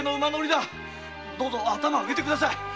どうぞ頭をあげてください。